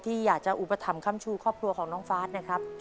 อยากจะอุปถัมภัมชูครอบครัวของน้องฟ้านะครับ